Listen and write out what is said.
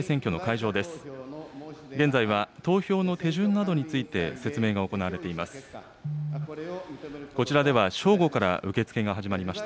現在は、投票の手順などについて、説明が行われています。